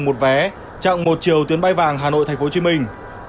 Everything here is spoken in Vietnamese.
một vé chặn một chiều tuyến bay vàng hà nội thành phố hồ chí minh